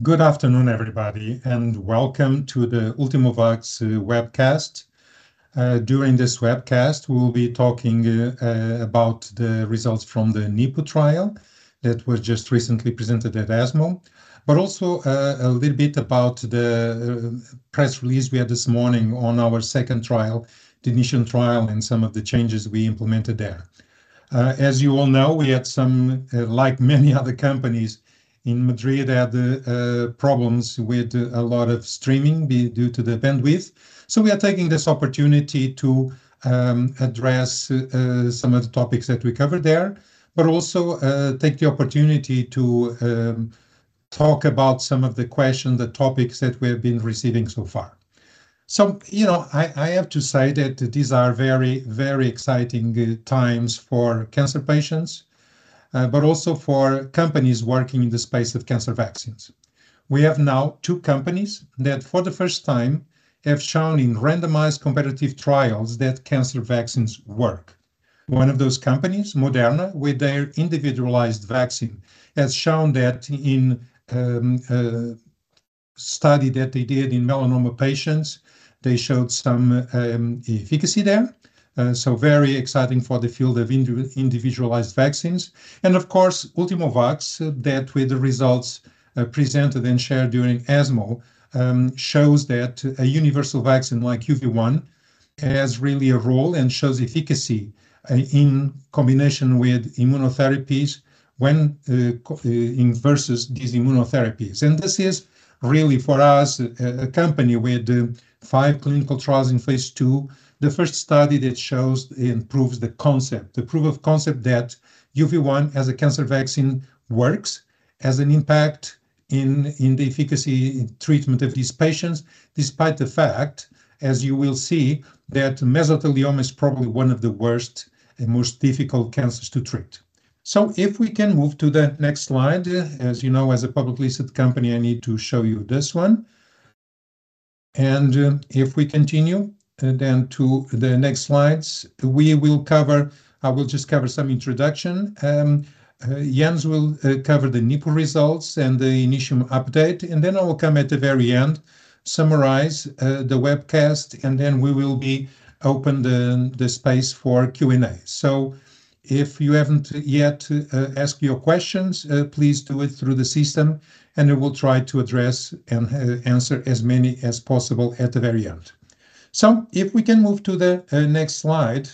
Good afternoon, everybody, and welcome to the Ultimovacs webcast. During this webcast, we will be talking about the results from the NIPU trial that was just recently presented at ESMO. But also, a little bit about the press release we had this morning on our second trial, the INITIUM trial, and some of the changes we implemented there. As you all know, we had some, like many other companies in Madrid, problems with a lot of streaming due to the bandwidth. So we are taking this opportunity to address some of the topics that we covered there, but also take the opportunity to talk about some of the questions, the topics that we have been receiving so far. So, you know, I have to say that these are very, very exciting times for cancer patients, but also for companies working in the space of cancer vaccines. We have now two companies that, for the first time, have shown in randomized competitive trials that cancer vaccines work. One of those companies, Moderna, with their individualized vaccine, has shown that in study that they did in melanoma patients, they showed some efficacy there. So very exciting for the field of individualized vaccines. And of course, Ultimovacs, that with the results presented and shared during ESMO, shows that a universal vaccine like UV1 has really a role and shows efficacy in combination with immunotherapies versus these immunotherapies. This is really, for us, a company with five clinical trials in Phase II, the first study that shows and proves the concept. The proof of concept that UV1 as a cancer vaccine works, has an impact in the efficacy in treatment of these patients, despite the fact, as you will see, that mesothelioma is probably one of the worst and most difficult cancers to treat. If we can move to the next slide. As you know, as a publicly listed company, I need to show you this one. If we continue to the next slides, we will cover... I will just cover some introduction. Jens will cover the NIPU results and the INITIUM update, and then I will come at the very end, summarize the webcast, and then we will open the space for Q&A. So if you haven't yet asked your questions, please do it through the system, and we will try to address and answer as many as possible at the very end. So if we can move to the next slide.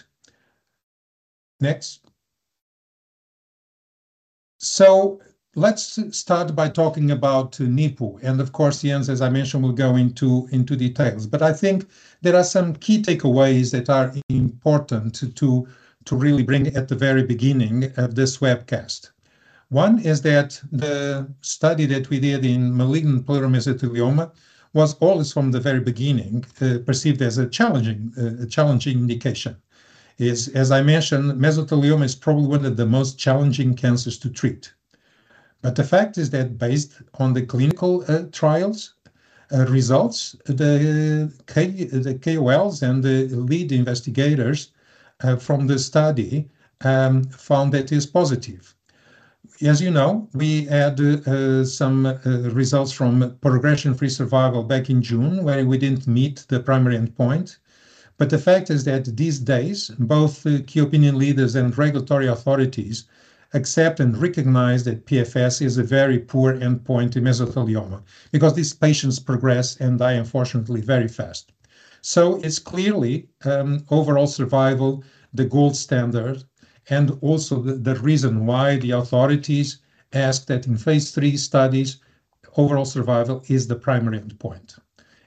Next. So let's start by talking about NIPU, and of course, Jens, as I mentioned, will go into details. But I think there are some key takeaways that are important to really bring at the very beginning of this webcast. One is that the study that we did in malignant pleural mesothelioma was always, from the very beginning, perceived as a challenging indication. Yes, as I mentioned, mesothelioma is probably one of the most challenging cancers to treat. But the fact is that based on the clinical trials results, the KOLs and the lead investigators from the study found that it's positive. As you know, we had some results from progression-free survival back in June, where we didn't meet the primary endpoint. But the fact is that these days, both key opinion leaders and regulatory authorities accept and recognize that PFS is a very poor endpoint in mesothelioma, because these patients progress and die unfortunately very fast. So it's clearly overall survival, the gold standard, and also the reason why the authorities ask that in Phase III studies, overall survival is the primary endpoint.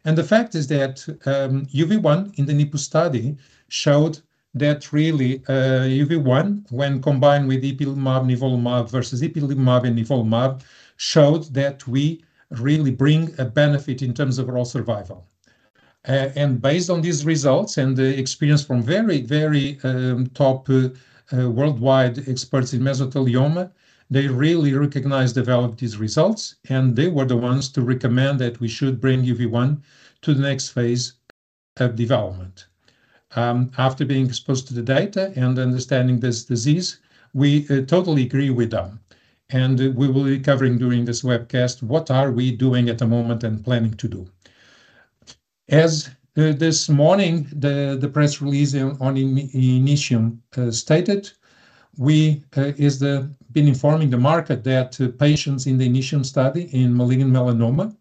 The fact is that, UV1 in the NIPU study showed that really, UV1, when combined with ipilimumab, nivolumab versus ipilimumab and nivolumab, showed that we really bring a benefit in terms of overall survival. And based on these results and the experience from very, very, top, worldwide experts in mesothelioma, they really recognize the value of these results, and they were the ones to recommend that we should bring UV1 to the next phase of development. After being exposed to the data and understanding this disease, we, totally agree with them, and we will be covering during this webcast, what are we doing at the moment and planning to do? As this morning, the press release on INITIUM stated, we have been informing the market that patients in the INITIUM study in malignant melanoma,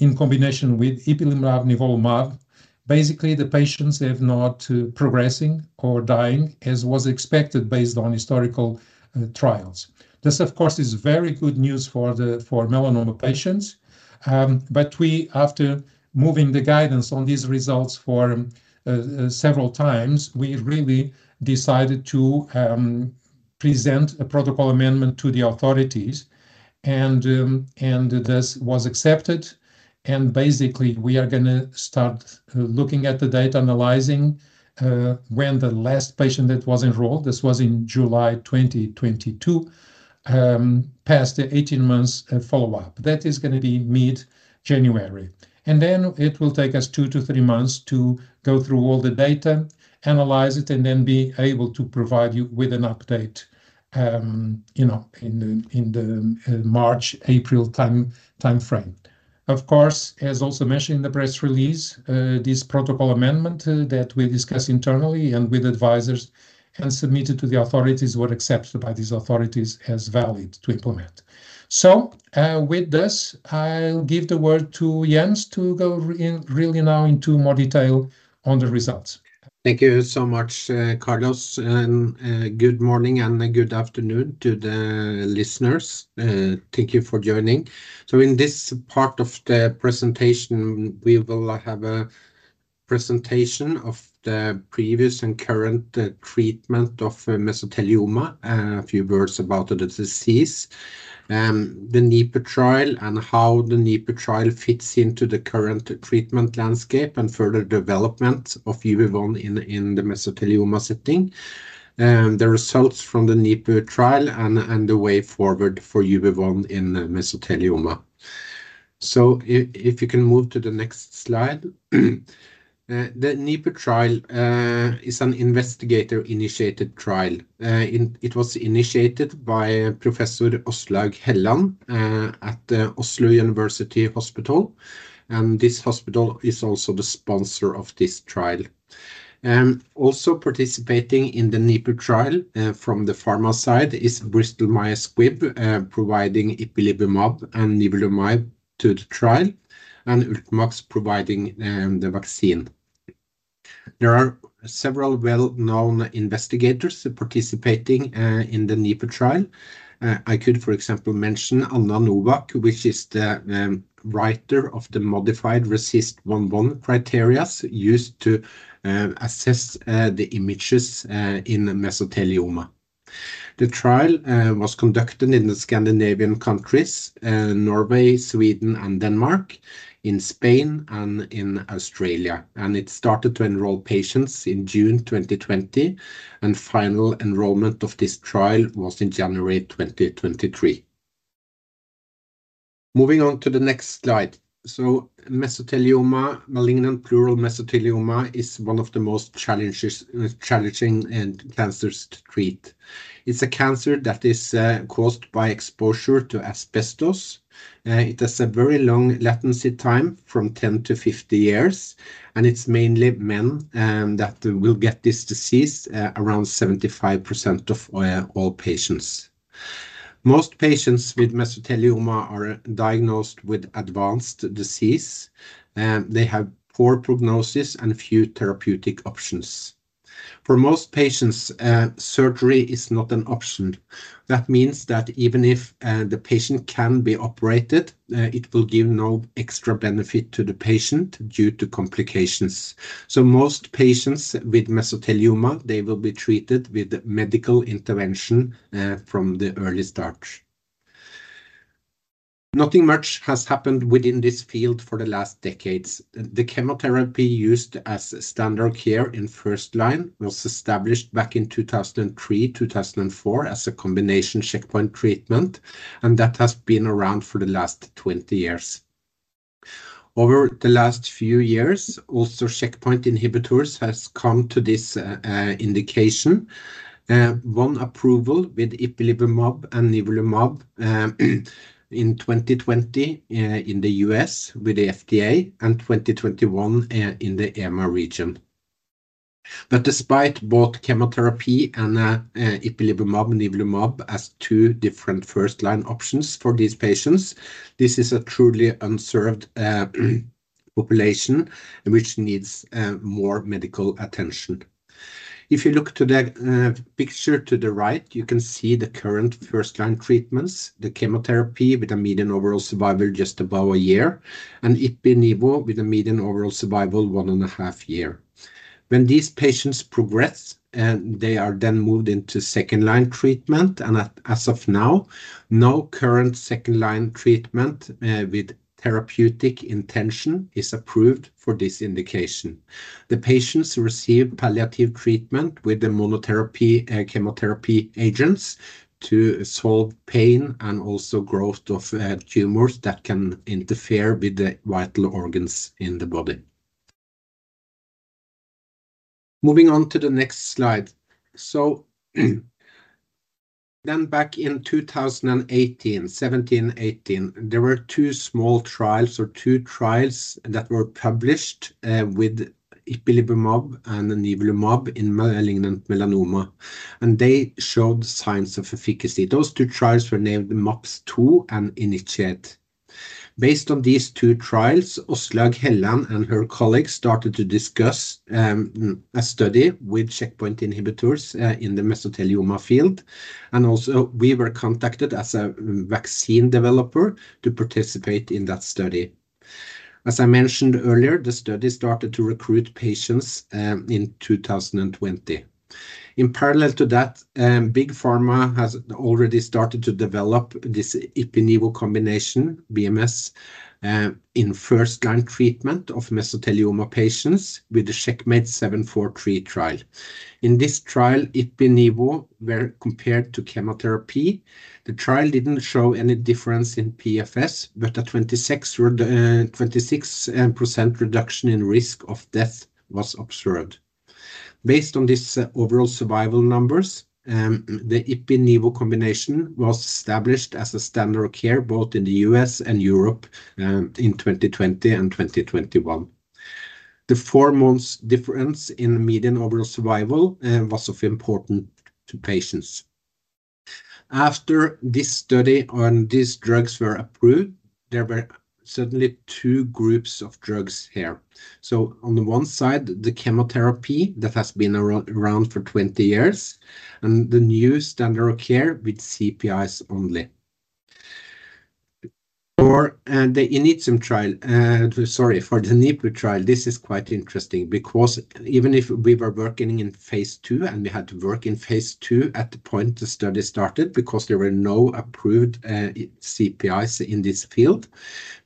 in combination with ipilimumab, nivolumab, basically, the patients have not progressing or dying as was expected based on historical trials. This, of course, is very good news for melanoma patients. But we, after moving the guidance on these results for several times, we really decided to present a protocol amendment to the authorities, and this was accepted. And basically, we are gonna start looking at the data, analyzing when the last patient that was enrolled, this was in July 2022, passed the 18 months follow-up. That is gonna be mid-January, and then it will take us 2-3 months to go through all the data, analyze it, and then be able to provide you with an update. You know, in the March, April timeframe. Of course, as also mentioned in the press release, this protocol amendment that we discussed internally and with advisors, and submitted to the authorities, were accepted by these authorities as valid to implement. So, with this, I'll give the word to Jens to go really now into more detail on the results. Thank you so much, Carlos, and, good morning and good afternoon to the listeners. Thank you for joining. So in this part of the presentation, we will have a presentation of the previous and current, treatment of mesothelioma, a few words about the disease, the NIPU trial, and how the NIPU trial fits into the current treatment landscape, and further development of UV1 in, in the mesothelioma setting. The results from the NIPU trial and, and the way forward for UV1 in mesothelioma. So if you can move to the next slide. The NIPU trial is an investigator-initiated trial. It was initiated by Professor Åslaug Helland at the Oslo University Hospital, and this hospital is also the sponsor of this trial. Also participating in the NIPU trial, from the pharma side, is Bristol-Myers Squibb, providing ipilimumab and nivolumab to the trial, and Ultimovacs providing the vaccine. There are several well-known investigators participating in the NIPU trial. I could, for example, mention Anna Nowak, which is the writer of the modified RECIST 1.1 criteria used to assess the images in mesothelioma. The trial was conducted in the Scandinavian countries, Norway, Sweden, and Denmark, in Spain and in Australia, and it started to enroll patients in June 2020, and final enrollment of this trial was in January 2023. Moving on to the next slide. So mesothelioma, malignant pleural mesothelioma, is one of the most challenging cancers to treat. It's a cancer that is caused by exposure to asbestos. It has a very long latency time, from 10-50 years, and it's mainly men that will get this disease, around 75% of all patients. Most patients with mesothelioma are diagnosed with advanced disease, and they have poor prognosis and few therapeutic options. For most patients, surgery is not an option. That means that even if the patient can be operated, it will give no extra benefit to the patient due to complications. So most patients with mesothelioma, they will be treated with medical intervention, from the early start. Nothing much has happened within this field for the last decades. The chemotherapy used as standard care in first line was established back in 2003, 2004, as a combination checkpoint treatment, and that has been around for the last 20 years. Over the last few years, also, checkpoint inhibitors has come to this indication. One approval with ipilimumab and nivolumab in 2020 in the U.S. with the FDA, and 2021 in the EMA region. But despite both chemotherapy and ipilimumab and nivolumab as two different first-line options for these patients, this is a truly unserved population which needs more medical attention. If you look to the picture to the right, you can see the current first-line treatments, the chemotherapy with a median overall survival just above 1 year, and Ipi/Nivo with a median overall survival 1.5 year. When these patients progress, and they are then moved into second-line treatment, and as of now, no current second-line treatment with therapeutic intention is approved for this indication. The patients receive palliative treatment with the monotherapy, chemotherapy agents to solve pain and also growth of, tumors that can interfere with the vital organs in the body. Moving on to the next slide. Then back in 2017-2018, there were two small trials or two trials that were published, with ipilimumab and nivolumab in malignant mesothelioma, and they showed signs of efficacy. Those two trials were named MAPS2 and INITIATE. Based on these two trials, Åslaug Helland and her colleagues started to discuss a study with checkpoint inhibitors in the mesothelioma field, and also, we were contacted as a vaccine developer to participate in that study. As I mentioned earlier, the study started to recruit patients in 2020. In parallel to that, big pharma has already started to develop this Ipi/Nivo combination, BMS, in first-line treatment of mesothelioma patients with the CheckMate 743 trial. In this trial, Ipi/Nivo were compared to chemotherapy. The trial didn't show any difference in PFS, but a 26% reduction in risk of death was observed. Based on this, overall survival numbers, the Ipi/Nivo combination was established as a standard of care, both in the U.S. and Europe, in 2020 and 2021. The 4 months difference in median overall survival was of important to patients. After this study on these drugs were approved, there were suddenly two groups of drugs here. So on the one side, the chemotherapy that has been around for 20 years, and the new standard of care with CPIs only. Or, and the INITIUM trial, sorry, for the NIPU trial, this is quite interesting because even if we were working in phase II, and we had to work in phase II at the point the study started, because there were no approved CPIs in this field.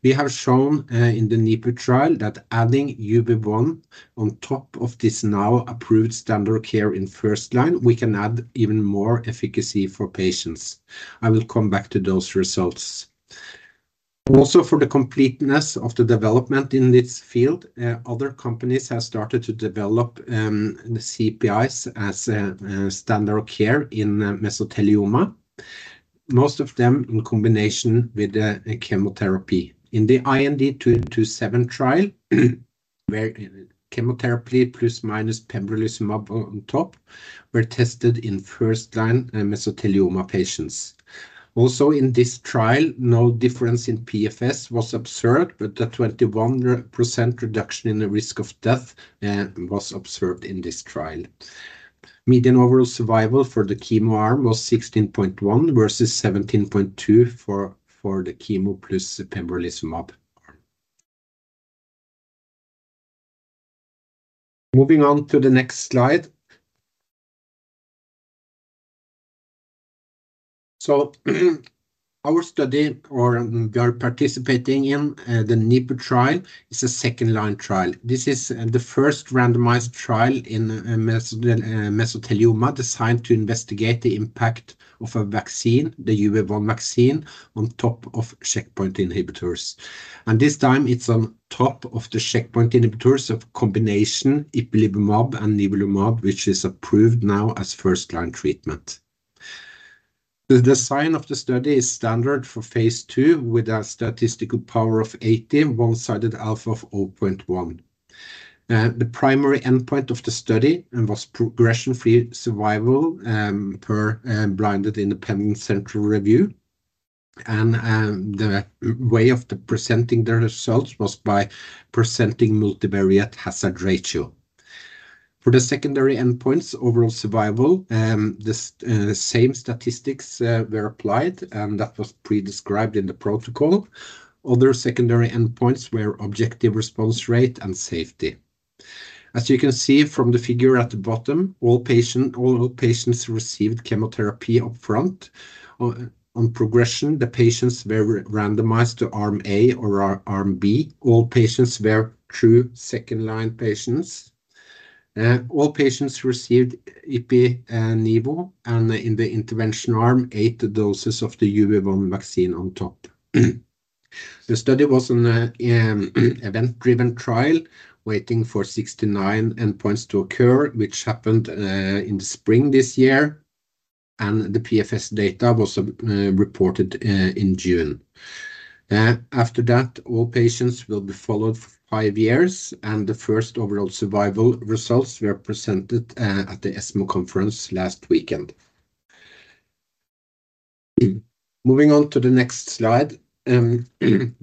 We have shown in the NIPU trial that adding UV1 on top of this now approved standard of care in first-line, we can add even more efficacy for patients. I will come back to those results. Also, for the completeness of the development in this field, other companies have started to develop the CPIs as a standard of care in mesothelioma. Most of them in combination with the chemotherapy. In the IND227 trial, where chemotherapy ± pembrolizumab on top, were tested in first-line mesothelioma patients. Also, in this trial, no difference in PFS was spoken, but a 21% reduction in the risk of death was observed in this trial. Median overall survival for the chemo arm was 16.1 versus 17.2 for the chemo plus pembrolizumab arm. Moving on to the next slide. So, our study, or we are participating in, the NIPU trial, is a second-line trial. This is the first randomized trial in mesothelioma designed to investigate the impact of a vaccine, the UV1 vaccine, on top of checkpoint inhibitors. And this time it's on top of the checkpoint inhibitors of combination ipilimumab and nivolumab, which is approved now as first-line treatment. The design of the study is standard for Phase II, with a statistical power of 80, one-sided alpha of 0.1. The primary endpoint of the study was progression-free survival per blinded independent central review. The way of presenting the results was by presenting multivariate hazard ratio. For the secondary endpoints, overall survival, the same statistics were applied, and that was pre-described in the protocol. Other secondary endpoints were objective response rate and safety. As you can see from the figure at the bottom, all patients received chemotherapy up front. On progression, the patients were randomized to arm A or arm B. All patients were true second-line patients. All patients received Ipi and Nivo, and in the intervention arm, 8 doses of the UV1 vaccine on top. The study was an event-driven trial, waiting for 69 endpoints to occur, which happened in the spring this year, and the PFS data was reported in June. After that, all patients will be followed for 5 years, and the first overall survival results were presented at the ESMO conference last weekend. Moving on to the next slide,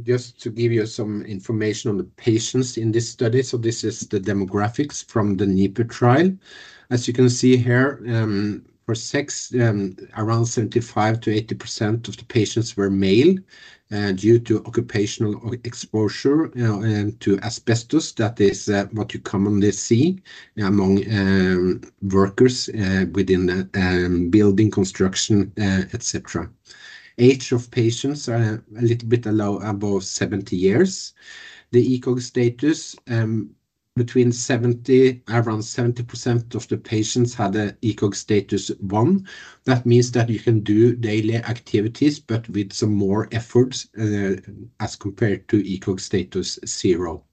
just to give you some information on the patients in this study. So this is the demographics from the NIPU trial. As you can see here, for sex, around 75%-80% of the patients were male, due to occupational exposure to asbestos. That is what you commonly see among workers within the building construction, et cetera. Age of patients are a little bit below or above 70 years. The ECOG status, around 70% of the patients had an ECOG status 1. That means that you can do daily activities, but with some more efforts, as compared to ECOG status 0.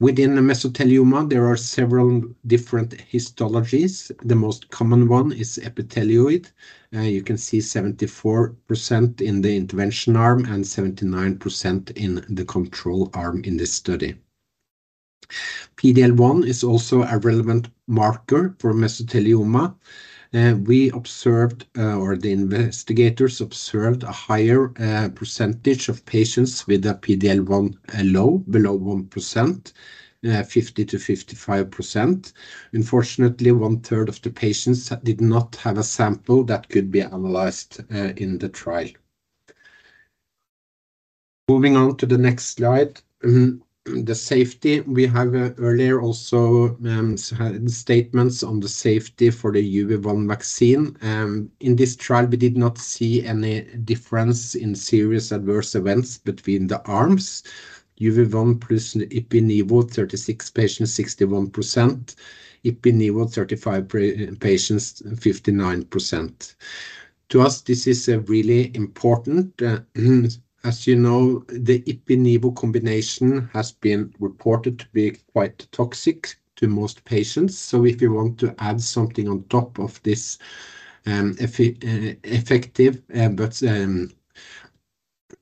Within the mesothelioma, there are several different histologies. The most common one is epithelioid. You can see 74% in the intervention arm and 79% in the control arm in this study. PD-L1 is also a relevant marker for mesothelioma. We observed, or the investigators observed a higher percentage of patients with a PD-L1 low, below 1%, 50%-55%. Unfortunately, one-third of the patients did not have a sample that could be analyzed in the trial. Moving on to the next slide. The safety. We have earlier also statements on the safety for the UV1 vaccine. In this trial, we did not see any difference in serious adverse events between the arms. UV1 plus Ipi/Nivo, 36 patients, 61%. Ipi/Nivo, 35 patients, 59%. To us, this is really important. As you know, the Ipi/Nivo combination has been reported to be quite toxic to most patients. So if you want to add something on top of this, effective,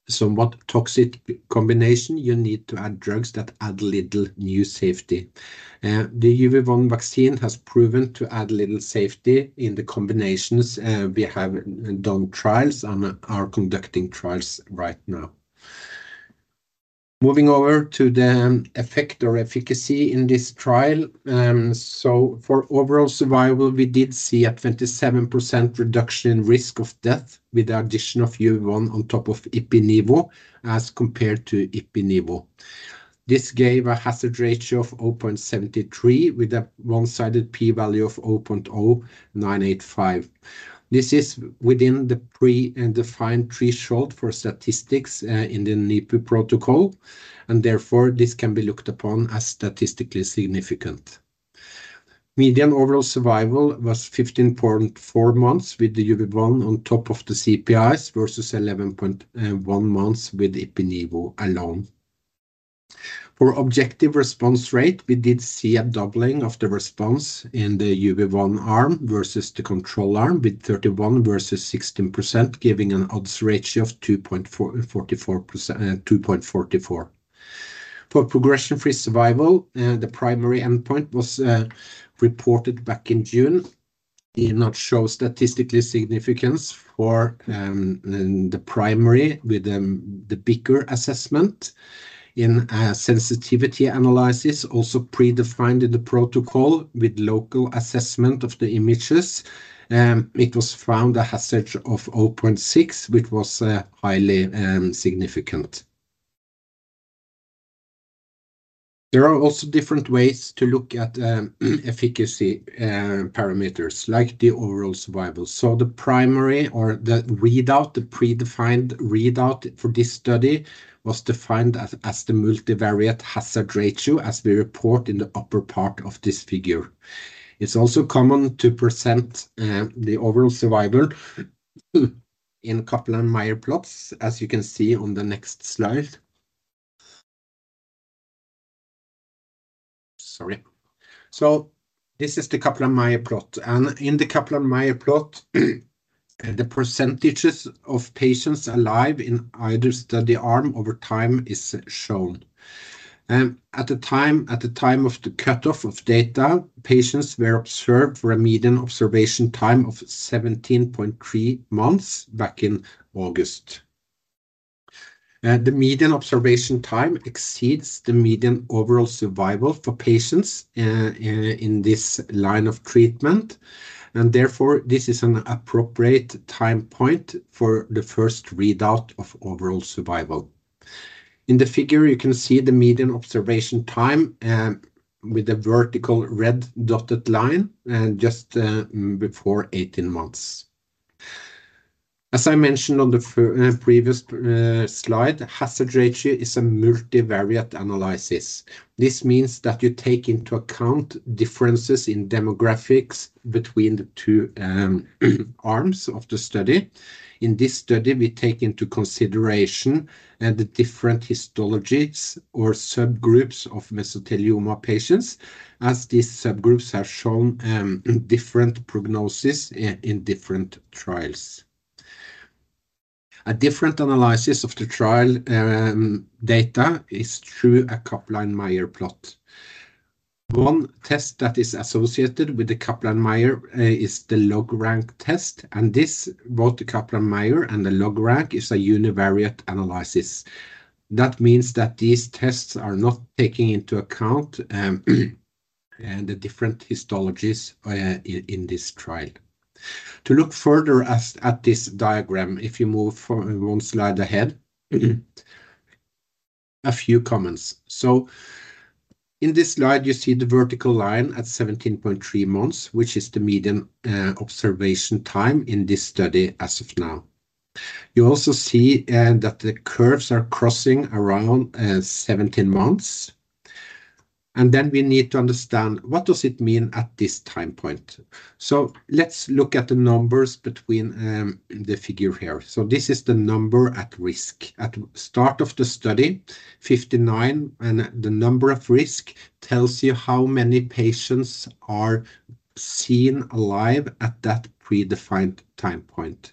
but somewhat toxic combination, you need to add drugs that add little new safety. The UV1 vaccine has proven to add little safety in the combinations. We have done trials and are conducting trials right now. Moving over to the effect or efficacy in this trial. So for overall survival, we did see a 27% reduction in risk of death with the addition of UV1 on top of Ipi/Nivo, as compared to Ipi/Nivo. This gave a hazard ratio of 0.73, with a one-sided p-value of 0.0985. This is within the pre-defined threshold for statistics in the NIPU protocol, and therefore, this can be looked upon as statistically significant. Median overall survival was 15.4 months, with the UV1 on top of the CPIs, versus 11.1 months with Ipi/Nivo alone. For objective response rate, we did see a doubling of the response in the UV1 arm versus the control arm, with 31% versus 16%, giving an odds ratio of 2.44. For progression-free survival, the primary endpoint was reported back in June. It did not show statistical significance for the primary with the BICR assessment. In sensitivity analysis, also predefined the protocol with local assessment of the images, it was found a hazard of 0.6, which was highly significant. There are also different ways to look at efficacy parameters, like the overall survival. So the primary or the readout, the predefined readout for this study was defined as, as the multivariate hazard ratio, as we report in the upper part of this figure. It's also common to present the overall survival in Kaplan-Meier plots, as you can see on the next slide. Sorry. So this is the Kaplan-Meier plot, and in the Kaplan-Meier plot, the percentages of patients alive in either study arm over time is shown. At the time of the cutoff of data, patients were observed for a median observation time of 17.3 months back in August. The median observation time exceeds the median overall survival for patients in this line of treatment, and therefore, this is an appropriate time point for the first readout of overall survival. In the figure, you can see the median observation time with a vertical red dotted line, and just before 18 months. As I mentioned on the previous slide, hazard ratio is a multivariate analysis. This means that you take into account differences in demographics between the two arms of the study. In this study, we take into consideration the different histologies or subgroups of mesothelioma patients, as these subgroups have shown different prognosis in different trials. A different analysis of the trial data is through a Kaplan-Meier plot. One test that is associated with the Kaplan-Meier is the log-rank test, and this, both the Kaplan-Meier and the log-rank, is a univariate analysis. That means that these tests are not taking into account the different histologies in this trial. To look further at this diagram, if you move for one slide ahead, a few comments. So in this slide, you see the vertical line at 17.3 months, which is the median observation time in this study as of now. You also see that the curves are crossing around 17 months, and then we need to understand what does it mean at this time point? So let's look at the numbers between the figure here. So this is the number at risk. At the start of the study, 59, and the number at risk tells you how many patients are seen alive at that predefined time point.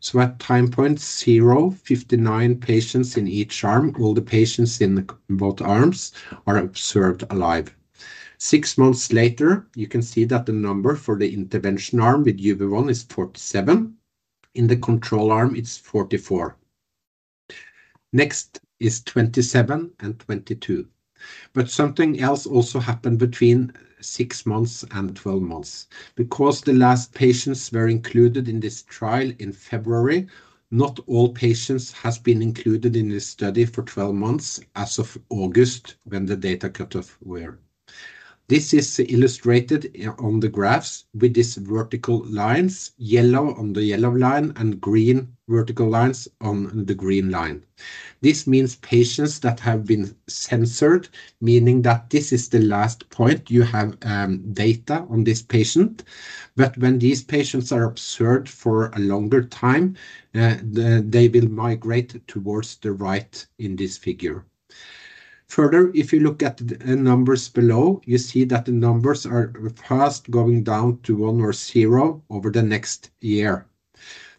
So at time point zero, 59 patients in each arm, all the patients in both arms are observed alive. Six months later, you can see that the number for the intervention arm with UV1 is 47. In the control arm, it's 44. Next is 27 and 22. But something else also happened between six months and twelve months. Because the last patients were included in this trial in February, not all patients have been included in this study for twelve months as of August, when the data cutoff was.... This is illustrated on the graphs with these vertical lines, yellow on the yellow line and green vertical lines on the green line. This means patients that have been censored, meaning that this is the last point you have data on this patient. But when these patients are observed for a longer time, they will migrate towards the right in this figure. Further, if you look at the numbers below, you see that the numbers are fast going down to one or zero over the next year.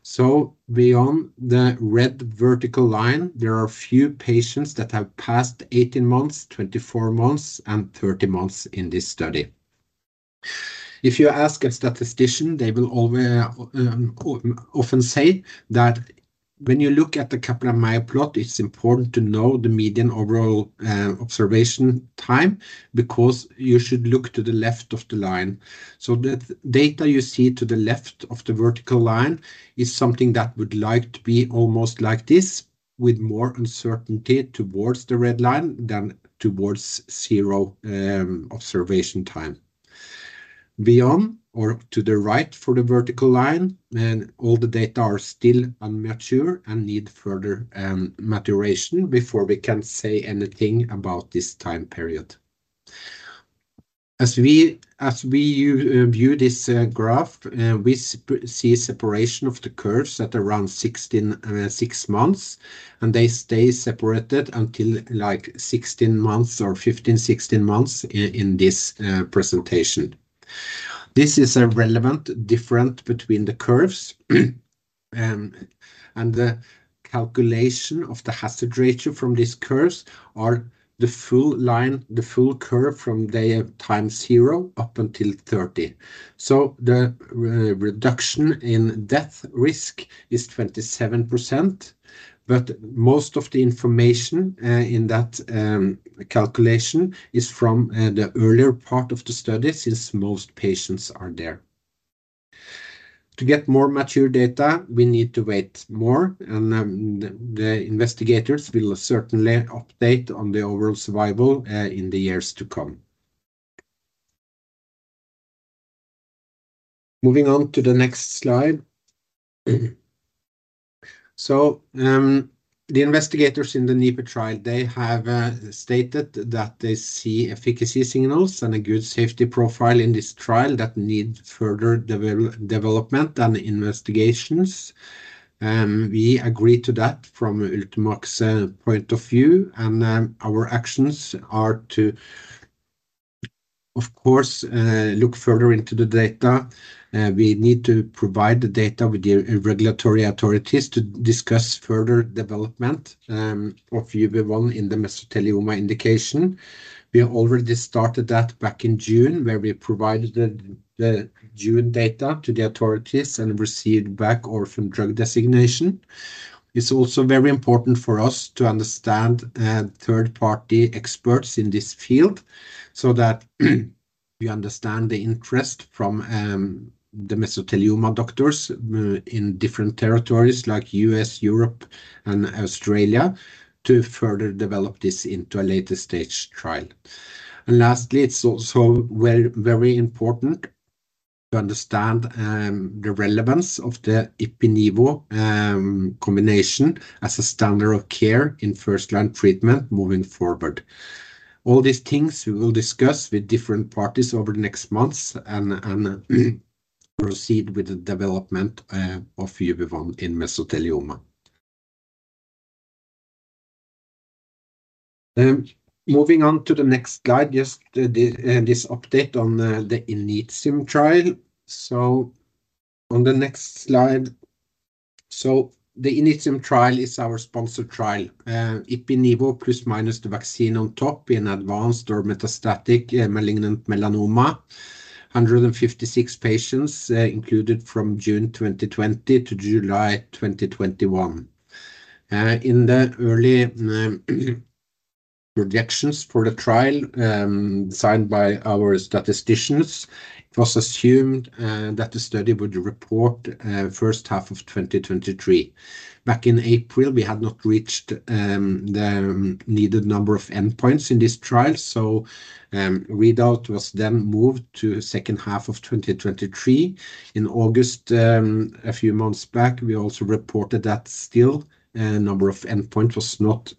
So beyond the red vertical line, there are a few patients that have passed 18 months, 24 months, and 30 months in this study. If you ask a statistician, they will always often say that when you look at the Kaplan-Meier plot, it's important to know the median overall observation time, because you should look to the left of the line. So the data you see to the left of the vertical line is something that would like to be almost like this, with more uncertainty towards the red line than towards zero, observation time. Beyond or to the right of the vertical line, and all the data are still immature and need further maturation before we can say anything about this time period. As we view this graph, we see separation of the curves at around 16.6 months, and they stay separated until like 16 months or 15-16 months in this presentation. This is a relevant difference between the curves, and the calculation of the hazard ratio from these curves are the full line, the full curve from time zero up until 30. So the reduction in death risk is 27%, but most of the information in that calculation is from the earlier part of the study, since most patients are there. To get more mature data, we need to wait more, and the investigators will certainly update on the overall survival in the years to come. Moving on to the next slide. So, the investigators in the NIPU trial, they have stated that they see efficacy signals and a good safety profile in this trial that need further development and investigations. We agree to that from Ultimovacs point of view, and our actions are to, of course, look further into the data. We need to provide the data with the regulatory authorities to discuss further development of UV1 in the mesothelioma indication. We have already started that back in June, where we provided the June data to the authorities and received back orphan drug designation. It's also very important for us to understand third-party experts in this field, so that we understand the interest from the mesothelioma doctors in different territories like U.S., Europe, and Australia, to further develop this into a later stage trial. And lastly, it's also very, very important to understand the relevance of the Ipi/Nivo combination as a standard of care in first-line treatment moving forward. All these things we will discuss with different parties over the next months and proceed with the development of UV1 in mesothelioma. Moving on to the next slide, just this update on the INITIUM trial. So on the next slide. So the INITIUM trial is our sponsored trial, Ipi/Nivo plus minus the vaccine on top in advanced or metastatic malignant melanoma. 156 patients, included from June 2020 to July 2021. In the early projections for the trial, designed by our statisticians, it was assumed that the study would report first half of 2023. Back in April, we had not reached the needed number of endpoints in this trial, so readout was then moved to second half of 2023. In August, a few months back, we also reported that still number of endpoint was not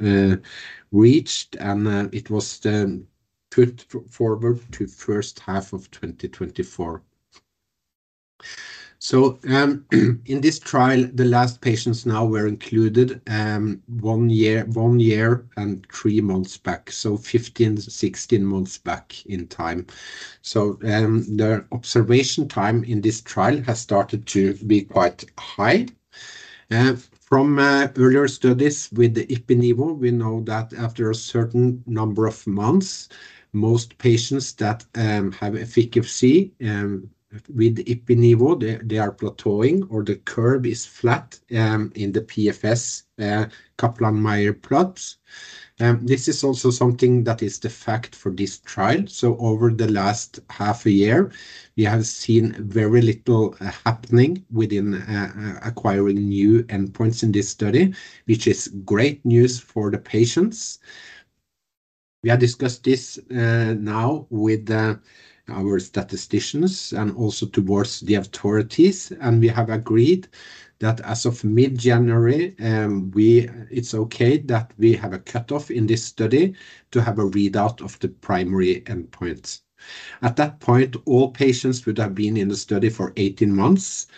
reached, and it was then put forward to first half of 2024. So in this trial, the last patients now were included one year, one year and three months back, so 15, 16 months back in time. The observation time in this trial has started to be quite high. From earlier studies with the Ipi/Nivo, we know that after a certain number of months, most patients that have efficacy with Ipi/Nivo, they are plateauing or the curve is flat in the PFS Kaplan-Meier plots. This is also something that is the fact for this trial. Over the last half a year, we have seen very little happening within acquiring new endpoints in this study, which is great news for the patients. We have discussed this now with our statisticians and also towards the authorities, and we have agreed that as of mid-January, it's okay that we have a cutoff in this study to have a readout of the primary endpoint. At that point, all patients would have been in the study for 18 months,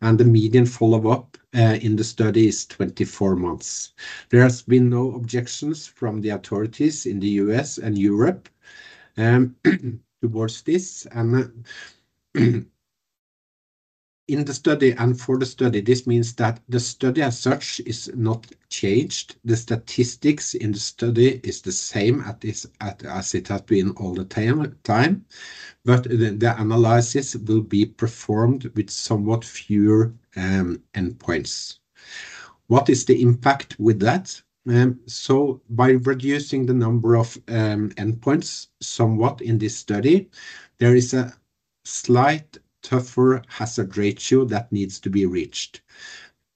and the median follow-up in the study is 24 months. There has been no objections from the authorities in the U.S. and Europe towards this. In the study and for the study, this means that the study as such is not changed. The statistics in the study is the same at this, as it has been all the time. But the analysis will be performed with somewhat fewer endpoints. What is the impact with that? So by reducing the number of endpoints somewhat in this study, there is a slight tougher hazard ratio that needs to be reached.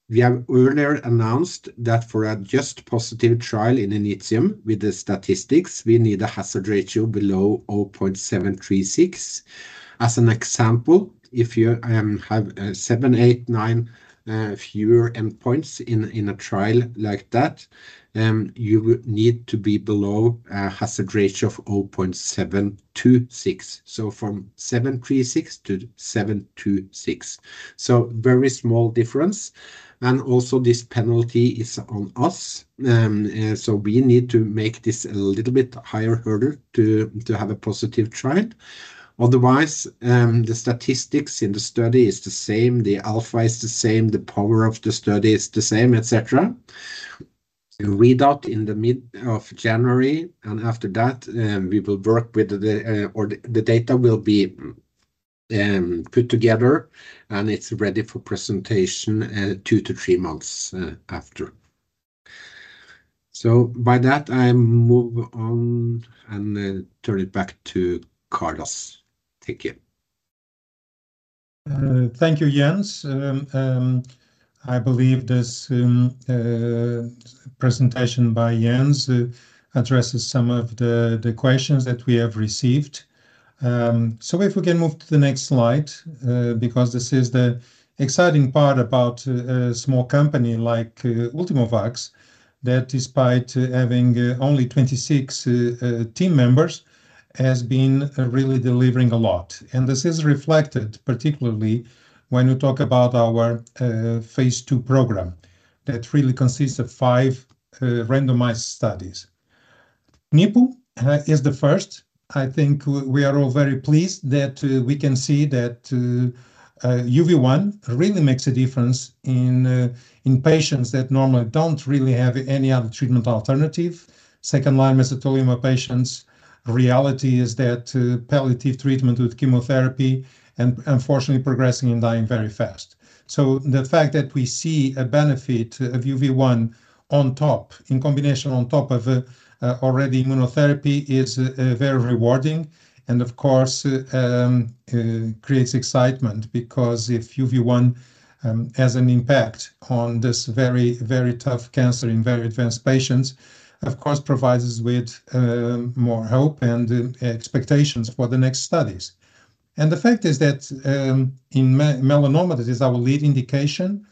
We have earlier announced that for a just positive trial in INITIUM with the statistics, we need a hazard ratio below 0.736. As an example, if you have 7, 8, 9 fewer endpoints in a trial like that, you would need to be below a hazard ratio of 0.726. So from 0.736 to 0.726. So very small difference, and also this penalty is on us. So we need to make this a little bit higher hurdle to have a positive trial. Otherwise, the statistics in the study is the same, the alpha is the same, the power of the study is the same, et cetera. Readout in the middle of January, and after that, we will work with the or the data will be put together, and it's ready for presentation, 2-3 months after. So by that, I move on and turn it back to Carlos. Thank you. Thank you, Jens. I believe this presentation by Jens addresses some of the questions that we have received. So if we can move to the next slide, because this is the exciting part about a small company like Ultimovacs, that despite having only 26 team members, has been really delivering a lot. And this is reflected, particularly when you talk about our Phase II program that really consists of five randomized studies. NIPU is the first. I think we are all very pleased that we can see that UV1 really makes a difference in patients that normally don't really have any other treatment alternative. Second-line mesothelioma patients, reality is that palliative treatment with chemotherapy and unfortunately progressing and dying very fast. So the fact that we see a benefit of UV1 on top, in combination on top of a already immunotherapy, is very rewarding. And of course, creates excitement, because if UV1 has an impact on this very, very tough cancer in very advanced patients, of course, provides us with more hope and expectations for the next studies. And the fact is that, in melanoma, this is our lead indication,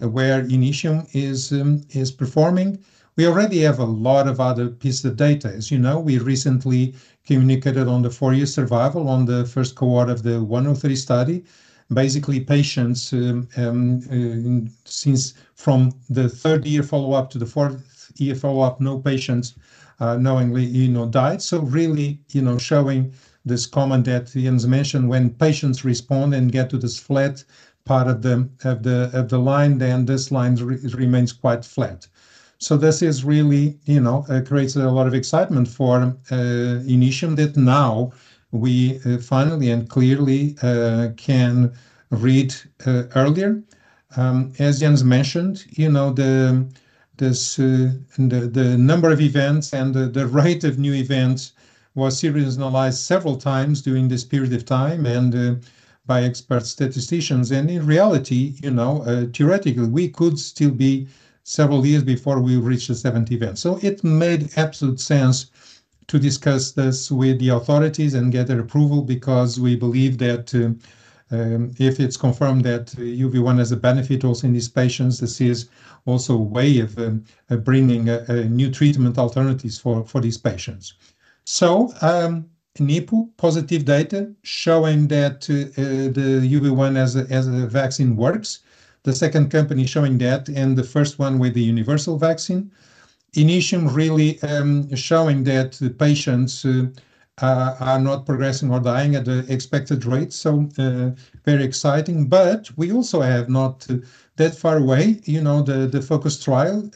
where INITIUM is performing. We already have a lot of other pieces of data. As you know, we recently communicated on the four-year survival on the first cohort of the UV1-103 study. Basically, patients since from the third-year follow-up to the fourth-year follow-up, no patients knowingly, you know, died. So really, you know, showing this common that Jens mentioned, when patients respond and get to this flat part of the line, then this line remains quite flat. So this is really, you know, creates a lot of excitement for INITIUM that now we finally and clearly can read earlier. As Jens mentioned, you know, the number of events and the rate of new events was seriously analyzed several times during this period of time, and by expert statisticians. In reality, you know, theoretically, we could still be several years before we reach the seventh event. So it made absolute sense to discuss this with the authorities and get their approval, because we believe that if it's confirmed that UV1 has a benefit also in these patients, this is also a way of bringing a new treatment alternatives for these patients. So, NIPU positive data showing that the UV1 as a vaccine works. The second company showing that, and the first one with the universal vaccine. INITIUM really showing that the patients are not progressing or dying at the expected rate, so very exciting. But we also have not that far away, you know, the FOCUS trial,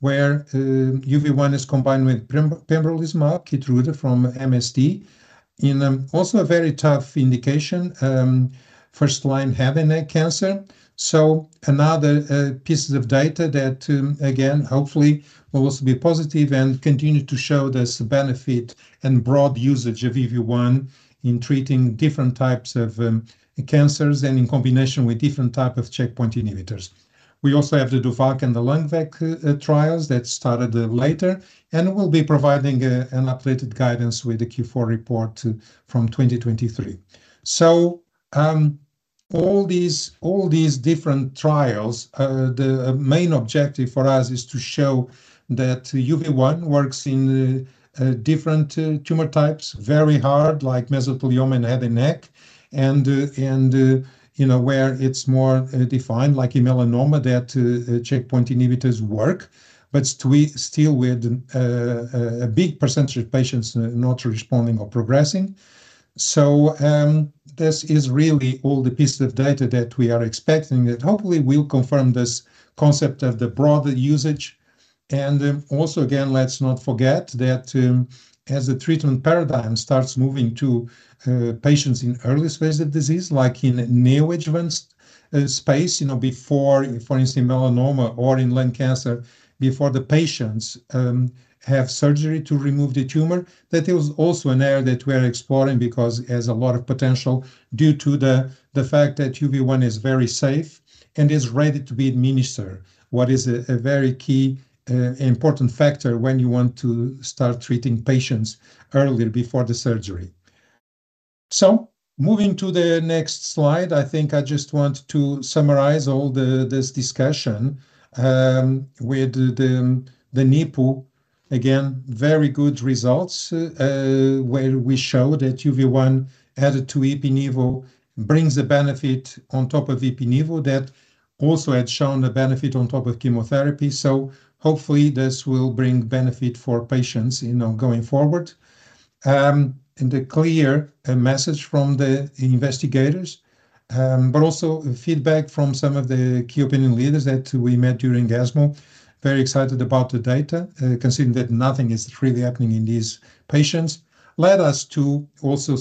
where UV1 is combined with pembrolizumab, Keytruda from MSD, in also a very tough indication, first line head and neck cancer. So another pieces of data that again, hopefully will also be positive and continue to show this benefit and broad usage of UV1 in treating different types of cancers and in combination with different type of checkpoint inhibitors. We also have the DOVACC and the LUNGVAC trials that started later, and we'll be providing an updated guidance with the Q4 report from 2023. So all these different trials, the main objective for us is to show that UV1 works in different tumor types, very hard, like mesothelioma and head and neck, and you know, where it's more defined, like in melanoma, that checkpoint inhibitors work. But we still with a big percentage of patients not responding or progressing. So, this is really all the pieces of data that we are expecting, that hopefully will confirm this concept of the broader usage. And then also, again, let's not forget that, as the treatment paradigm starts moving to, patients in early stages of disease, like in neo-adjuvant space, you know, before, for instance, melanoma or in lung cancer, before the patients have surgery to remove the tumor, that is also an area that we are exploring because it has a lot of potential due to the fact that UV1 is very safe and is ready to be administered, what is a very key important factor when you want to start treating patients earlier before the surgery. So moving to the next slide, I think I just want to summarize all this discussion with the NIPU. Again, very good results, where we show that UV1 added to ipilimumab brings a benefit on top of ipilimumab that also had shown a benefit on top of chemotherapy. So hopefully, this will bring benefit for patients, you know, going forward. The clear message from the investigators, but also feedback from some of the key opinion leaders that we met during ESMO, very excited about the data, considering that nothing is really happening in these patients, led us to also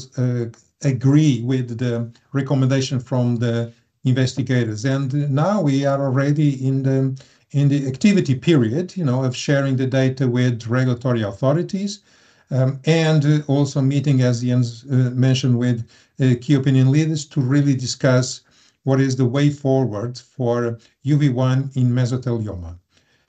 agree with the recommendation from the investigators. Now we are already in the activity period, you know, of sharing the data with regulatory authorities, and also meeting, as Jens mentioned, with key opinion leaders to really discuss what is the way forward for UV1 in mesothelioma.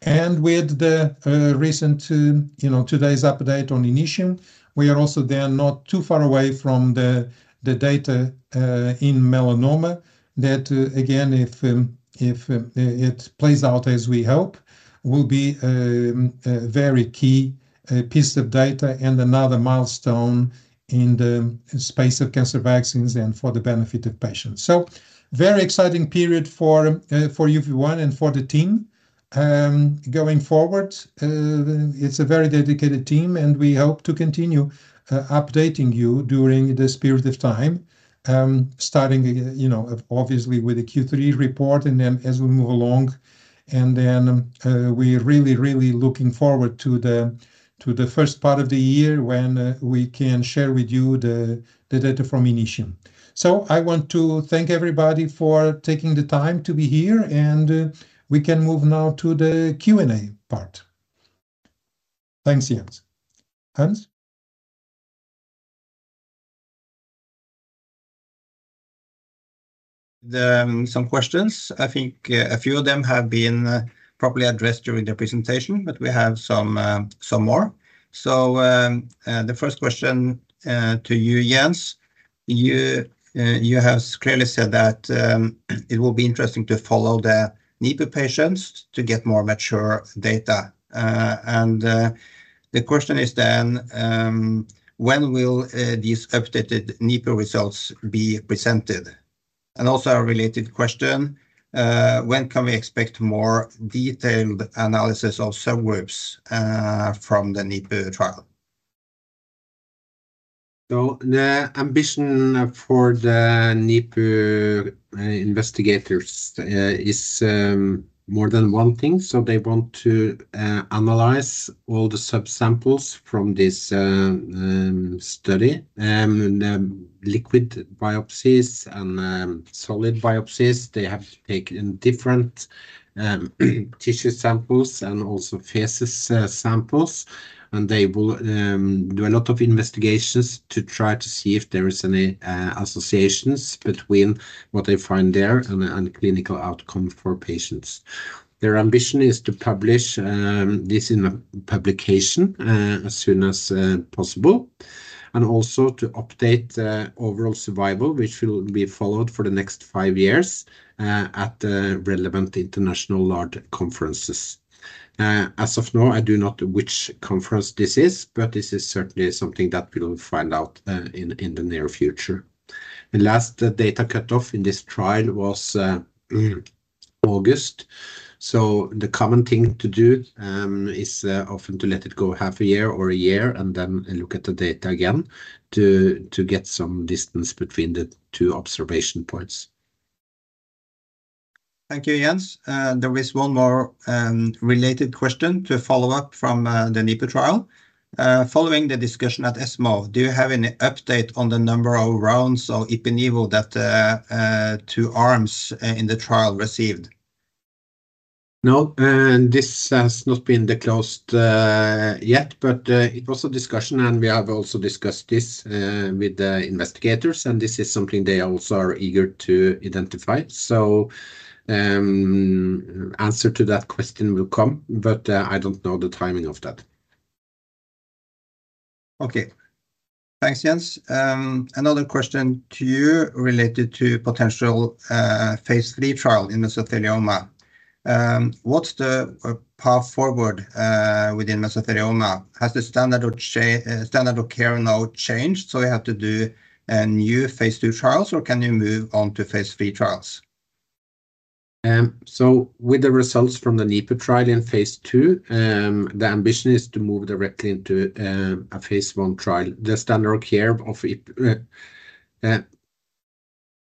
With the recent, you know, today's update on INITIUM, we are also then not too far away from the data in melanoma, that again, if it plays out as we hope, will be a very key piece of data and another milestone in the space of cancer vaccines and for the benefit of patients. So very exciting period for UV1 and for the team. Going forward, it's a very dedicated team, and we hope to continue updating you during this period of time, starting, you know, obviously, with the Q3 report and then as we move along. And then, we're really, really looking forward to the first part of the year, when we can share with you the data from INITIUM. So I want to thank everybody for taking the time to be here, and we can move now to the Q&A part. Thanks, Jens. Hans? Some questions. I think, a few of them have been, properly addressed during the presentation, but we have some, some more. So, the first question, to you, Jens. You, you have clearly said that, it will be interesting to follow the NIPU patients to get more mature data. And, the question is then, when will, these updated NIPU results be presented? And also a related question, when can we expect more detailed analysis of subgroups, from the NIPU trial? So the ambition for the NIPU investigators is more than one thing. So they want to analyze all the subsamples from this study and liquid biopsies and solid biopsies. They have taken different tissue samples and also feces samples. And they will do a lot of investigations to try to see if there is any associations between what they find there and clinical outcome for patients. Their ambition is to publish this in a publication as soon as possible, and also to update the overall survival, which will be followed for the next five years at the relevant international large conferences. As of now, I do not know which conference this is, but this is certainly something that we will find out in the near future. The last data cutoff in this trial was August. So the common thing to do is often to let it go half a year or a year, and then look at the data again, to get some distance between the two observation points. Thank you, Jens. There is one more related question to follow up from the NIPU trial. Following the discussion at ESMO, do you have any update on the number of rounds of Ipilimumab that two arms in the trial received? No, and this has not been declared yet, but it was a discussion, and we have also discussed this with the investigators, and this is something they also are eager to identify. So, answer to that question will come, but I don't know the timing of that. Okay. Thanks, Jens. Another question to you related to potential Phase III trial in mesothelioma. What's the path forward within mesothelioma? Has the standard of care now changed, so you have to do a new Phase II trials, or can you move on to Phase III trials? So with the results from the NIPU trial in Phase II, the ambition is to move directly into a Phase I trial. The standard of care of IP-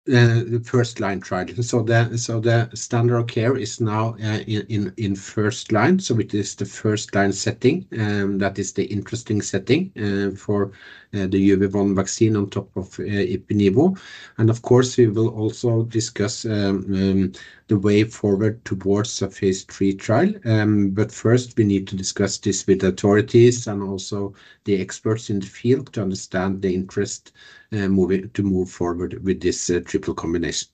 the first-line trial. So the standard of care is now in first line, so it is the first-line setting that is the interesting setting for the UV1 vaccine on top of Ipilimumab. And of course, we will also discuss the way forward towards a Phase III trial. But first, we need to discuss this with the authorities and also the experts in the field to understand the interest to move forward with this triple combination.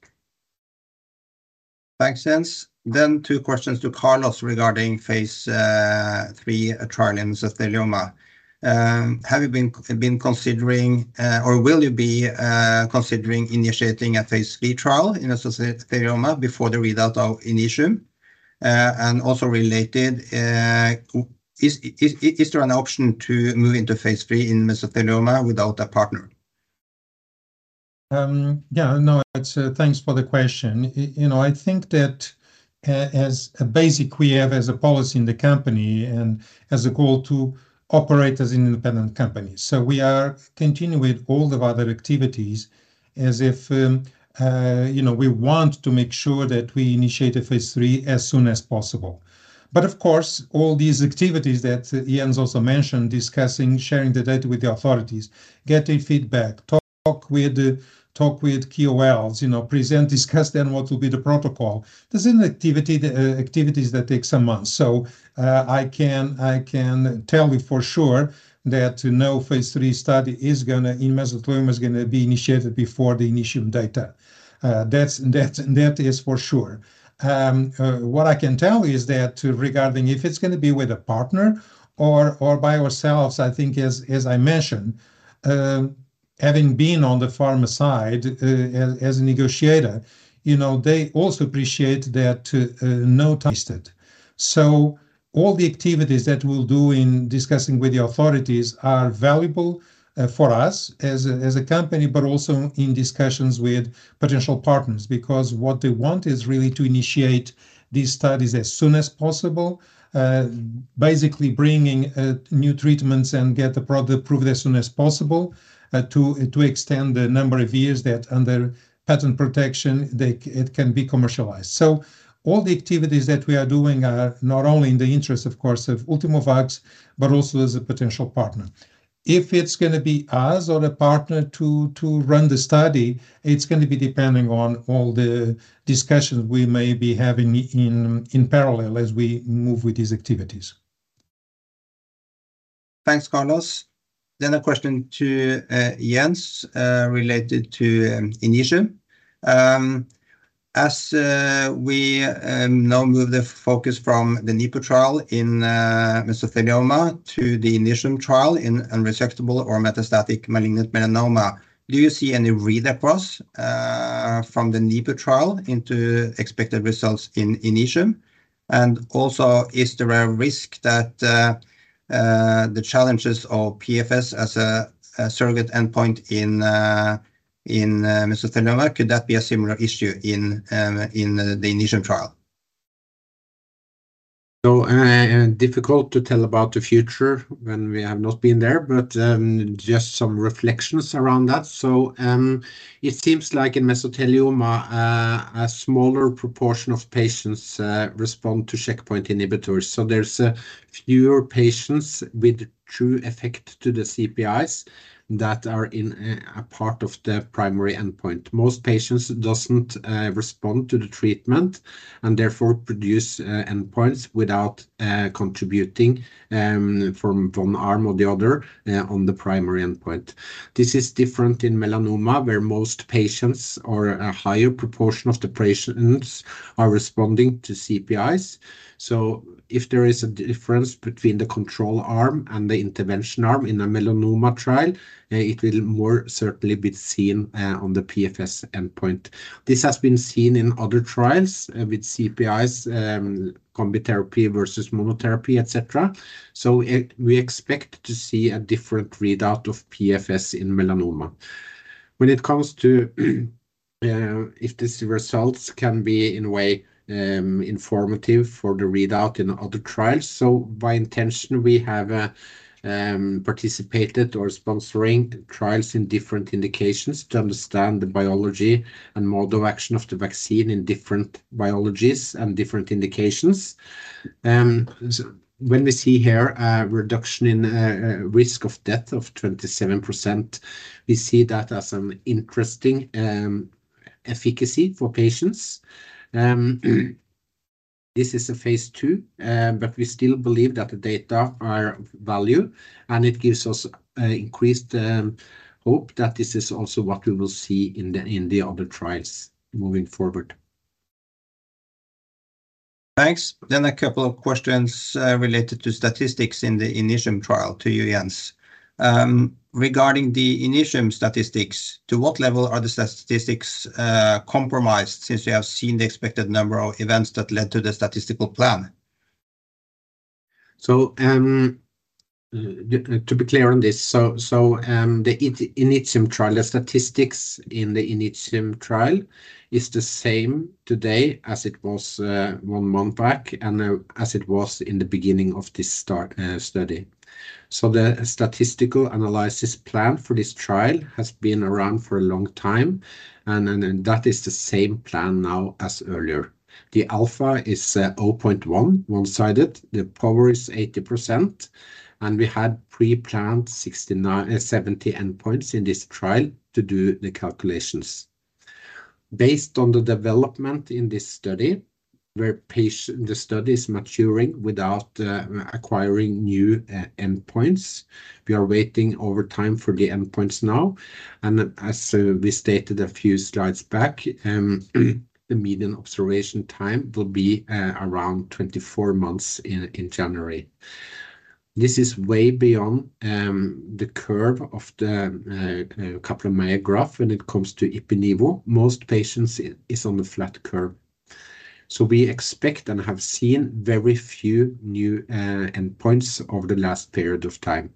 Thanks, Jens. 2 questions to Carlos regarding Phase III trial in mesothelioma. Have you been considering, or will you be considering initiating a Phase III trial in mesothelioma before the readout of INITIUM? And also related, is there an option to move into Phase III in mesothelioma without a partner? Yeah, no, it's thanks for the question. You know, I think that, as a basic, we have as a policy in the company and as a goal to operate as an independent company. So we are continuing with all the other activities as if, you know, we want to make sure that we initiate a Phase III as soon as possible. But of course, all these activities that Jens also mentioned, discussing, sharing the data with the authorities, getting feedback, talk with, talk with KOLs, you know, present, discuss then what will be the protocol. These are the activity, activities that take some months. So, I can, I can tell you for sure that no Phase III study is gonna, in mesothelioma, is gonna be initiated before the INITIUM data. That's, that, that is for sure. What I can tell you is that regarding if it's gonna be with a partner or by ourselves, I think as I mentioned, having been on the pharma side, as a negotiator, you know, they also appreciate that not tested. So all the activities that we'll do in discussing with the authorities are valuable for us as a company, but also in discussions with potential partners, because what they want is really to initiate these studies as soon as possible. Basically bringing new treatments and get the product approved as soon as possible, to extend the number of years that under patent protection, they it can be commercialized. So all the activities that we are doing are not only in the interest, of course, of Ultimovacs, but also as a potential partner. If it's gonna be us or a partner to run the study, it's gonna be depending on all the discussions we may be having in parallel as we move with these activities. Thanks, Carlos. Then a question to Jens, related to INITIUM. As we now move the focus from the NIPU trial in mesothelioma to the INITIUM trial in unresectable or metastatic malignant melanoma, do you see any read-across from the NIPU trial into expected results in INITIUM? And also, is there a risk that the challenges of PFS as a surrogate endpoint in mesothelioma could that be a similar issue in the INITIUM trial? So, difficult to tell about the future when we have not been there, but, just some reflections around that. So, it seems like in mesothelioma, a smaller proportion of patients respond to checkpoint inhibitors. So there's fewer patients with true effect to the CPIs that are in a part of the primary endpoint. Most patients doesn't respond to the treatment and therefore produce endpoints without contributing from one arm or the other on the primary endpoint. This is different in melanoma, where most patients or a higher proportion of the patients are responding to CPIs. So if there is a difference between the control arm and the intervention arm in a melanoma trial, it will more certainly be seen on the PFS endpoint. This has been seen in other trials, with CPIs, combi therapy versus monotherapy, et cetera. So we expect to see a different readout of PFS in melanoma. When it comes to, if these results can be in a way, informative for the readout in other trials, so by intention, we have participated or sponsoring trials in different indications to understand the biology and mode of action of the vaccine in different biologies and different indications. So when we see here a reduction in risk of death of 27%, we see that as an interesting efficacy for patients. This is a Phase II, but we still believe that the data are of value, and it gives us increased hope that this is also what we will see in the other trials moving forward. Thanks. Then a couple of questions related to statistics in the INITIUM trial to you, Jens. Regarding the INITIUM statistics, to what level are the statistics compromised since you have seen the expected number of events that led to the statistical plan? To be clear on this, the INITIUM trial, the statistics in the INITIUM trial is the same today as it was one month back and as it was in the beginning of this start study. The statistical analysis plan for this trial has been around for a long time, and that is the same plan now as earlier. The alpha is 0.1, one-sided, the power is 80%, and we had pre-planned 70 endpoints in this trial to do the calculations. Based on the development in this study, where the study is maturing without acquiring new endpoints. We are waiting over time for the endpoints now, and as we stated a few slides back, the median observation time will be around 24 months in January. This is way beyond the curve of the Kaplan graph when it comes to ipilimumab. Most patients is on the flat curve. So we expect and have seen very few new endpoints over the last period of time.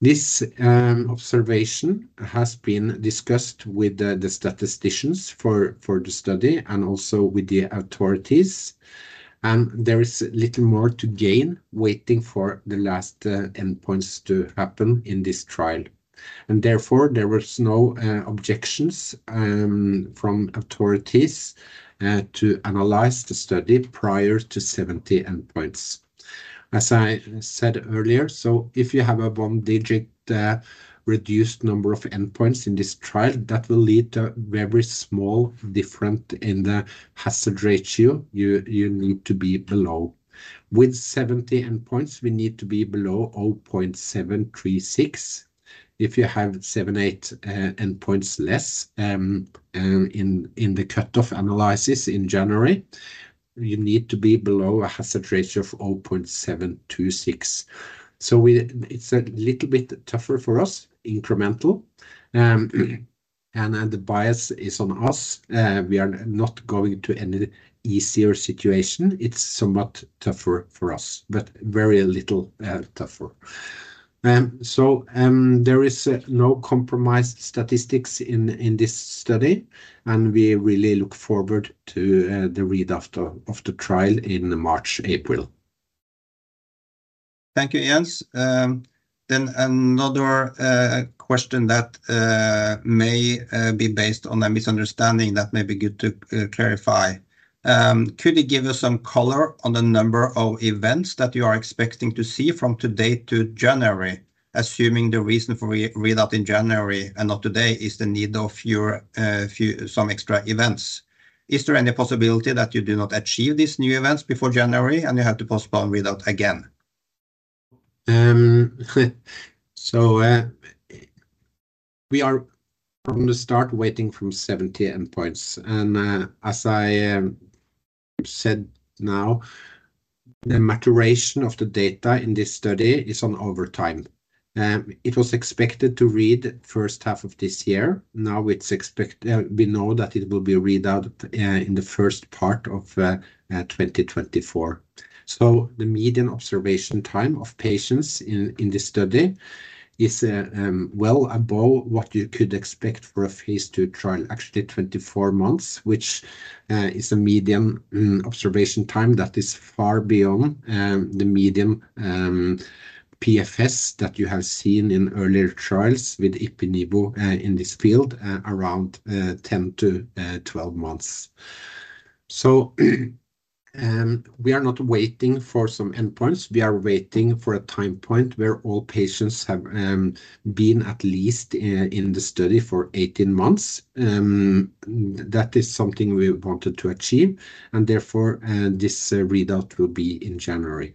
This observation has been discussed with the statisticians for the study and also with the authorities, and there is little more to gain waiting for the last endpoints to happen in this trial. Therefore, there was no objections from authorities to analyze the study prior to 70 endpoints. As I said earlier, so if you have a one-digit reduced number of endpoints in this trial, that will lead to very small different in the hazard ratio, you need to be below. With 70 endpoints, we need to be below 0.736. If you have 7, 8 endpoints less in the cutoff analysis in January, you need to be below a hazard ratio of 0.726. So we - it's a little bit tougher for us, incremental. And the bias is on us. We are not going to any easier situation. It's somewhat tougher for us, but very little tougher. So there is no compromised statistics in this study, and we really look forward to the readout of the trial in March, April. Thank you, Jens. Then another question that may be based on a misunderstanding that may be good to clarify. Could you give us some color on the number of events that you are expecting to see from today to January, assuming the reason for re-readout in January and not today is the need of your some extra events. Is there any possibility that you do not achieve these new events before January, and you have to postpone readout again? So, we are from the start waiting for 70 endpoints, and as I said now, the maturation of the data in this study is ongoing over time. It was expected to read out in the first half of this year. Now, it's expected—we know that it will be read out in the first part of 2024. So the median observation time of patients in this study is well above what you could expect for a Phase II trial, actually 24 months, which is a median observation time that is far beyond the median PFS that you have seen in earlier trials with ipilimumab in this field, around 10-12 months. So we are not waiting for some endpoints. We are waiting for a time point where all patients have been at least in the study for 18 months. That is something we wanted to achieve, and therefore, this readout will be in January.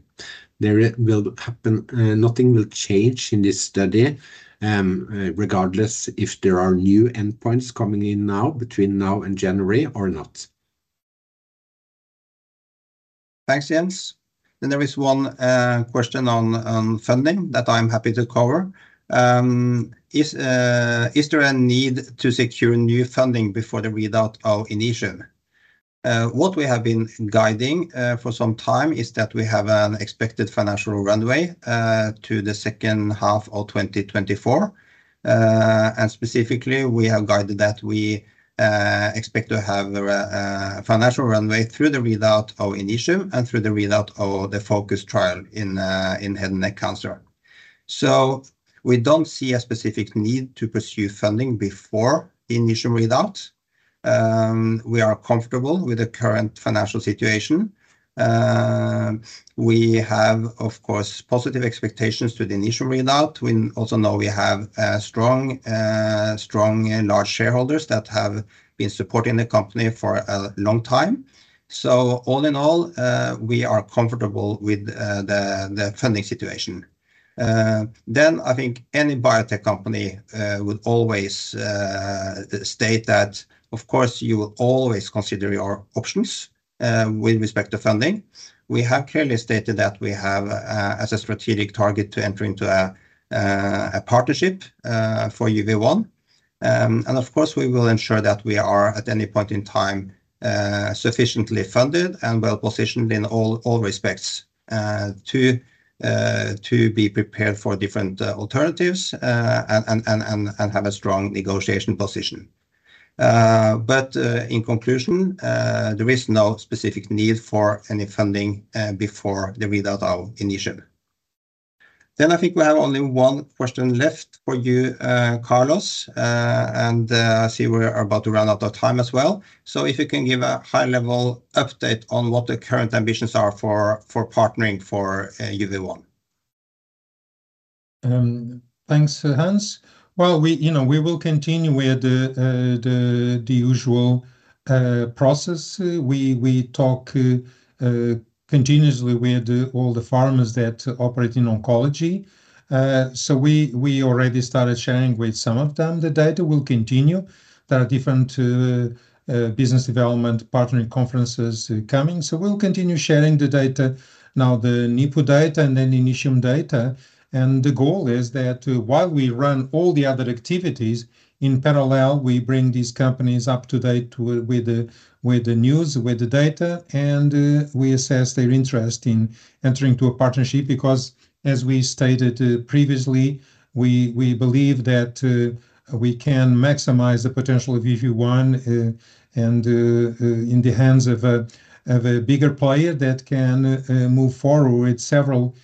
Nothing will change in this study, regardless if there are new endpoints coming in now, between now and January or not. Thanks, Jens. Then there is one question on funding that I'm happy to cover. Is there a need to secure new funding before the readout of INITIUM? What we have been guiding for some time is that we have an expected financial runway to the second half of 2024. Specifically, we have guided that we expect to have a financial runway through the readout of INITIUM and through the readout of the FOCUS trial in head-neck cancer. So we don't see a specific need to pursue funding before INITIUM readout. We are comfortable with the current financial situation. Of course, we have positive expectations to the INITIUM readout. We also know we have a strong and large shareholders that have been supporting the company for a long time. All in all, we are comfortable with the funding situation. I think any biotech company would always state that, of course, you will always consider your options with respect to funding. We have clearly stated that we have as a strategic target to enter into a partnership for UV1, and of course, we will ensure that we are, at any point in time, sufficiently funded and well-positioned in all respects to be prepared for different alternatives and have a strong negotiation position. But in conclusion, there is no specific need for any funding before the readout of INITIUM. I think we have only one question left for you, Carlos. I see we are about to run out of time as well. So if you can give a high-level update on what the current ambitions are for partnering for UV1. Thanks, Hans. Well, we, you know, we will continue with the usual process. We talk continuously with all the pharmas that operate in oncology. So we already started sharing with some of them. The data will continue. There are different business development partnering conferences coming, so we'll continue sharing the data, now the NIPU data and then INITIUM data. And the goal is that while we run all the other activities, in parallel, we bring these companies up to date with the news, with the data, and we assess their interest in entering into a partnership. Because, as we stated previously, we believe that we can maximize the potential of UV1 and in the hands of a bigger player that can move forward several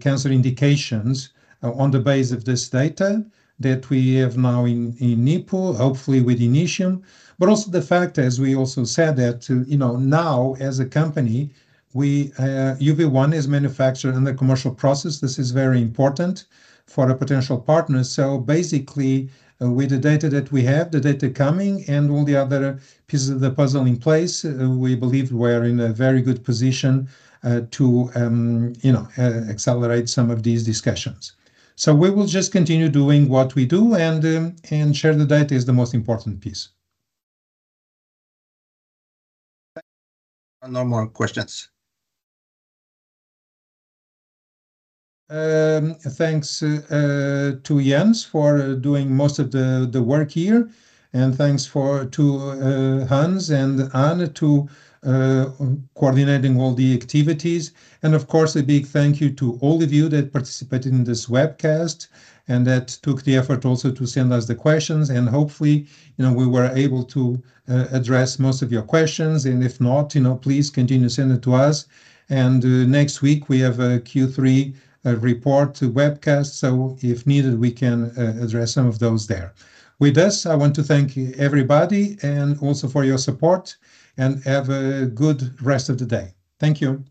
cancer indications on the base of this data that we have now in NIPU, hopefully with INITIUM. But also the fact, as we also said, that you know, now as a company, UV1 is manufactured in the commercial process. This is very important for a potential partner. So basically, with the data that we have, the data coming, and all the other pieces of the puzzle in place, we believe we are in a very good position to you know accelerate some of these discussions. We will just continue doing what we do, and share the data is the most important piece. No more questions. Thanks to Jens for doing most of the work here, and thanks to Hans and Anne for coordinating all the activities. Of course, a big thank you to all of you that participated in this webcast, and that took the effort also to send us the questions. Hopefully, you know, we were able to address most of your questions, and if not, you know, please continue to send it to us. Next week, we have a Q3 report to webcast, so if needed, we can address some of those there. With this, I want to thank everybody, and also for your support, and have a good rest of the day. Thank you.